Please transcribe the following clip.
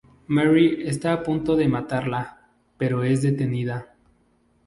Marie está a punto de matarla pero es detenida.